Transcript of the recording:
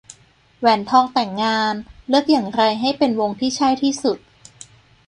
แหวนทองแต่งงาน เลือกอย่างไรให้เป็นวงที่ใช่ที่สุด